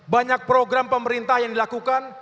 banyak program pemerintah yang dilakukan